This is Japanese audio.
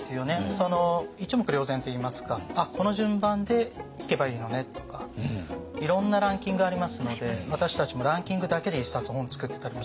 一目瞭然といいますか「あっこの順番で行けばいいのね」とかいろんなランキングありますので私たちもランキングだけで一冊本作ってたりもするぐらい。